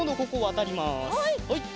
はい。